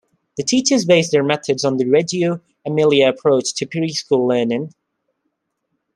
The teachers base their methods on the Reggio Emilia approach to pre-school learning.